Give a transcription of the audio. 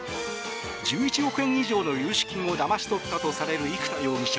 １１億円以上の融資金をだまし取ったとされる生田容疑者。